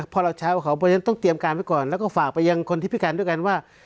เพราะฉะนั้นต้องเตรียมการไปก่อนแล้วก็ฝากไปยังคนที่พิการด้วยกันว่า